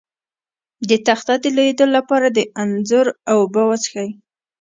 د تخه د لوییدو لپاره د انځر اوبه وڅښئ